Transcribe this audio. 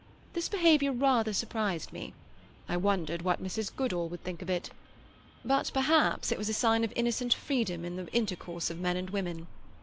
This behaviour rather surprised me. I wondered what Mrs. Goodall would think of it. But perhaps it was a sign of innocent freedom in the intercourse of men and women.